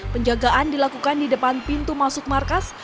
penjagaan dilakukan di depan pintu masuk markas